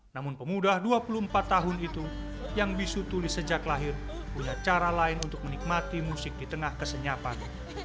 namun pemuda dua puluh empat tahun itu yang bisu tulis sejak lahir punya cara lain untuk menikmati musik di tengah kesenyapan